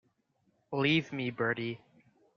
Leave me, Bertie.